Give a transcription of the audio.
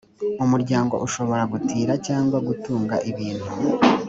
umuryango ushobora gutira cyangwa gutunga ibintu